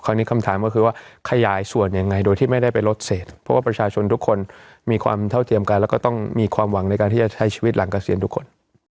อันนี้คำถามก็คือว่าขยายส่วนยังไงโดยที่ไม่ได้ไปลดเศษเพราะว่าประชาชนทุกคนมีความเท่าเทียมกันแล้วก็ต้องมีความหวังในการที่จะใช้ชีวิตหลังเกษียณทุกคน